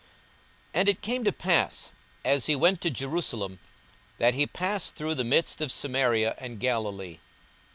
42:017:011 And it came to pass, as he went to Jerusalem, that he passed through the midst of Samaria and Galilee.